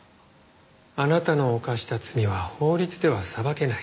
あなたの犯した罪は法律では裁けない。